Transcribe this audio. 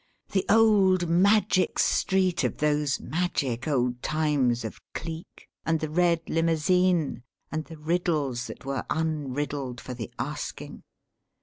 The old "magic" street of those "magic" old times of Cleek, and the Red Limousine, and the Riddles that were unriddled for the asking!